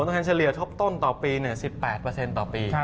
ผลตอบแทนเฉลี่ยทบต้นต่อปี๑๘เปอร์เซ็นต์ต่อปี